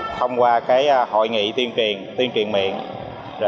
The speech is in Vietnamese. thông qua hội nghị tuyên truyền miệng